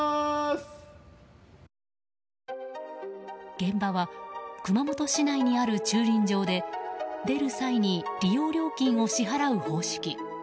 現場は熊本市内にある駐輪場で出る際に利用料金を支払う方式。